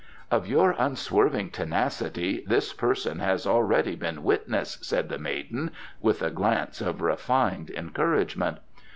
"Of your unswerving tenacity this person has already been witness," said the maiden, with a glance of refined encouragement.